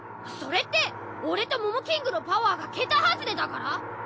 それって俺とモモキングのパワーが桁外れだから？